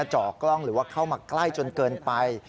จ่อกล้องหรือว่าเข้ามาใกล้จนเกินไป